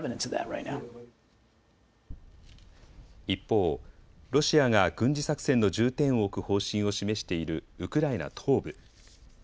一方、ロシアが軍事作戦の重点を置く方針を示しているウクライナ東部。